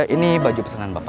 ini baju pesanan bapak